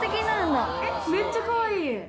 めっちゃかわいい！